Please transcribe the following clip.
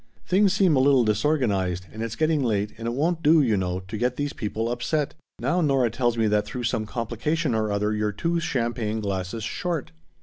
Things seem a little disorganized, and it's getting late, and it won't do, you know, to get these people upset. Now Nora tells me that through some complication or other you're two champagne glasses short."